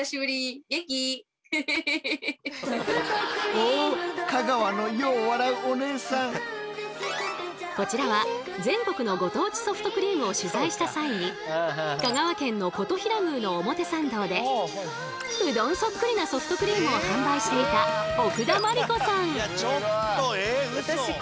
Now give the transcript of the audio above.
お値段は１台こちらは全国のご当地ソフトクリームを取材した際に香川県の金刀比羅宮の表参道でうどんそっくりなソフトクリームを販売していたうお！